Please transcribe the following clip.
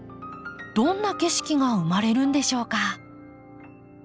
どんな景色が生まれるんでしょうか？